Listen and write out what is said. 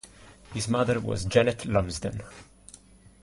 His mother was Janet Lumsden.